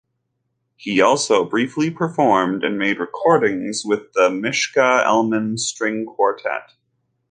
He also briefly performed and made recordings with the Mischa Elman String Quartet.